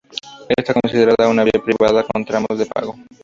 Ésta se considera una vía privada con tramos de pago.